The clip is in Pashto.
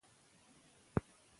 مدیر راپور بیاکتنه کوي.